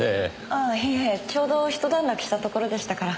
ああいえちょうどひと段落したところでしたから。